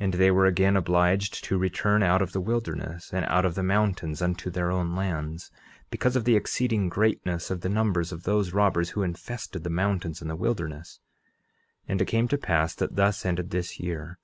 11:31 And they were again obliged to return out of the wilderness and out of the mountains unto their own lands, because of the exceeding greatness of the numbers of those robbers who infested the mountains and the wilderness. 11:32 And it came to pass that thus ended this year.